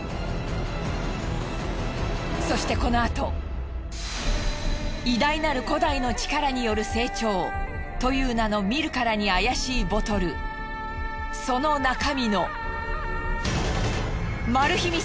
そしてこのあと「偉大なる古代の力による成長」という名の見るからに怪しいボトルその中身のマル秘